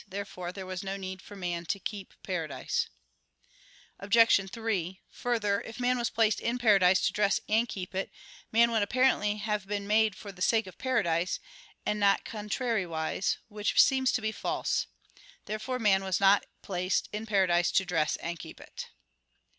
Therefore there was no need for man to keep paradise. Obj. 3: Further, if man was placed in paradise to dress and keep it, man would apparently have been made for the sake of paradise, and not contrariwise; which seems to be false. Therefore man was not place in paradise to dress and keep it.